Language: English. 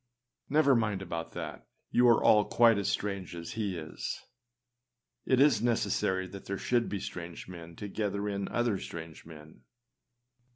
Never mind about that. You are all quite as strange as he is. It is necessary that there should be strange men to gather in other strange men.